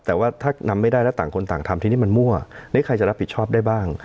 แต่ว่าถ้านำไม่ได้แล้วต่างคนต่างทำที่นี่มันมั่วใครจะรับผิดชอบได้บ้าง